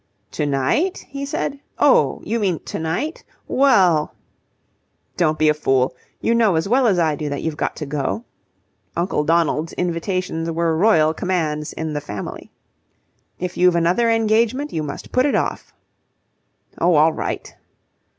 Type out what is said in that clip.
"To night?" he said. "Oh, you mean to night? Well..." "Don't be a fool. You know as well as I do that you've got to go." Uncle Donald's invitations were royal commands in the Family. "If you've another engagement you must put it off." "Oh, all right."